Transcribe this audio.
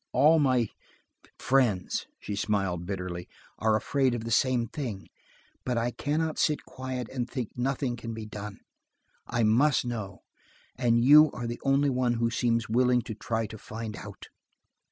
All my–friends"–she smiled bitterly–"are afraid of the same thing. But I can not sit quiet and think nothing can be done. I must know, and you are the only one who seems willing to try to find out."